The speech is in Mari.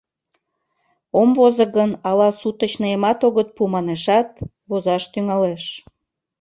Ом возо гын, ала суточныйымат огыт пу, — манешат, возаш тӱҥалеш.